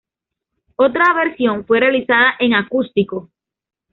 Otra versión fue realizada en acústico.